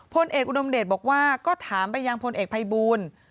พลเอกอุดมเดชบอกว่าก็ถามไปยังพลเอกภัยบูล